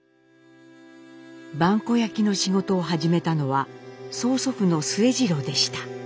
萬古焼の仕事を始めたのは曽祖父の末治郎でした。